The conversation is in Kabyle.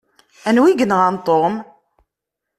Anwa i yenɣan Tom?